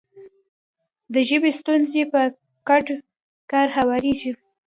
د ژبې ستونزې په ګډ کار هواریږي.